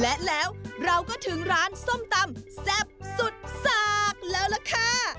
และแล้วเราก็ถึงร้านส้มตำแซ่บสุดสากแล้วล่ะค่ะ